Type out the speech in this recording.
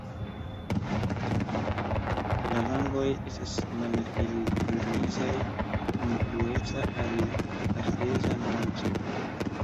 La vangoj estas malhelgrizaj kun blueca al ardeza nuanco.